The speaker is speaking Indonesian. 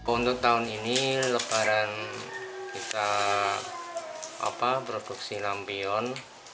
untuk tahun ini lebaran kita produksi lampion